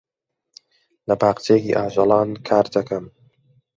لە باخچەیەکی ئاژەڵان کار دەکەم.